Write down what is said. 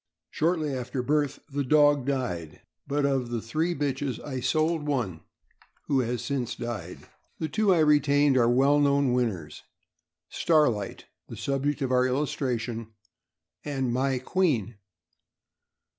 Shortly after birth the dog died, but of the three bitches I sold one, who has since died. The two I 428 THE AMERICAN BOOK OF THE DOG. retained are well known winners — Starlight, the subject of our illustration, and My Queen.